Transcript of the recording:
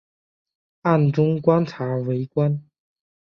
暗中观察围观